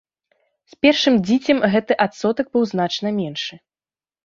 З першым дзіцем гэты адсотак быў значна меншы.